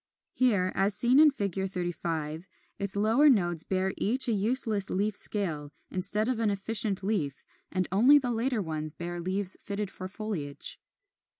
Here, as seen in Fig. 35, its lower nodes bear each a useless leaf scale instead of an efficient leaf, and only the later ones bear leaves fitted for foliage.